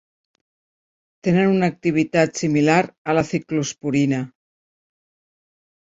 Tenen una activitat similar a la ciclosporina.